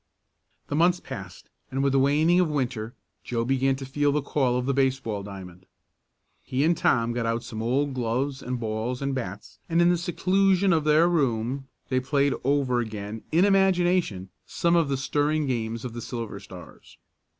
The months passed, and with the waning of Winter, Joe began to feel the call of the baseball diamond. He and Tom got out some old gloves and balls and bats, and in the seclusion of their room they played over again, in imagination, some of the stirring games of the Silver Stars.